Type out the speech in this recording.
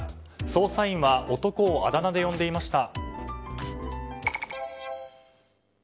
捜査員は男をあだ名で呼んでいました。